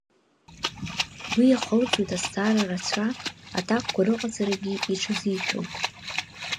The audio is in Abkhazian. Уи иахылҵуеит азҵаара рацәа, аҭакқәа рыҟаҵарагьы иҽазишәоит.